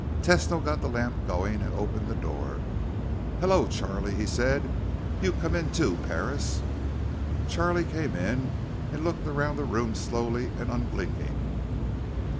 Tesno got the lamp going and opened the door. "Hello, Charlie," he said. "You come in, too, Parris." Charlie came in and looked around the room slowly and unblinking.